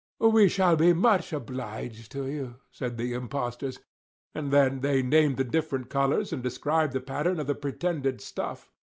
"We shall be much obliged to you," said the impostors, and then they named the different colors and described the pattern of the pretended stuff.